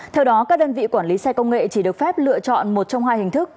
theo đó các đơn vị quản lý xe công nghệ chỉ được phép lựa chọn một trong hai hình thức